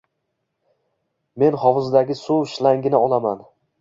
Men hovuzdagi suv shlangini olaman.